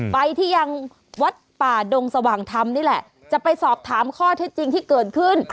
ไปที่ยังวัดป่าดงสว่างธรรมนี่แหละจะไปสอบถามข้อเท็จจริงที่เกิดขึ้น